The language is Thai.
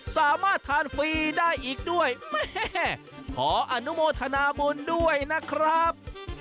สามารถทานฟรีได้อีกด้วยแม่ขออนุโมทนาบุญด้วยนะครับ